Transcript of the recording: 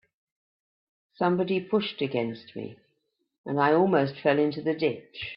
Somebody pushed against me, and I almost fell into the ditch.